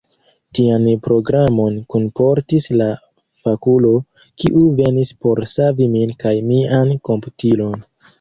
Tian programon kunportis la fakulo, kiu venis por savi min kaj mian komputilon.